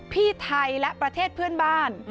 ที่ไทยและประเทศเพื่อนบ้าน